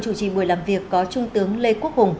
chủ trì buổi làm việc có trung tướng lê quốc hùng